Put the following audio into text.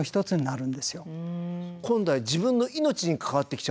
今度は自分の命に関わってきちゃうんですね。